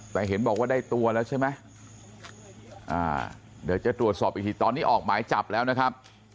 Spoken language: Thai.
แต่เห็นบอกว่าได้ตัวแล้วใช่ไหมอ่าเดี๋ยวจะตรวจสอบอีกทีตอนนี้ออกหมายจับแล้วนะครับ